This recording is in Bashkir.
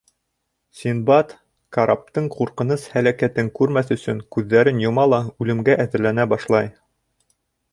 Синдбад, караптың ҡурҡыныс һәләкәтен күрмәҫ өсөн, күҙҙәрен йома ла үлемгә әҙерләнә башлай.